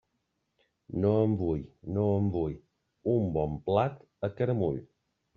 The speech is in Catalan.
No en vull, no en vull, un bon plat a caramull.